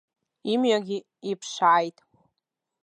Имҩагьы иԥшааит.